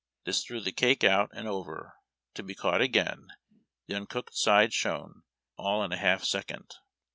This threw the cake out and over, to be cauf^ht again the uncooked side down — all in a half second.